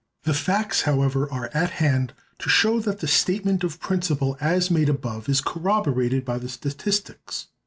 The facts, however, are at hand to show that the statement of principle as made above is corroborated by the statistics.